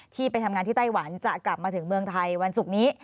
ที่ไปทำงานที่ไต้หวันจะกลับมาถึงเมืองไทยวันศุกร์นี้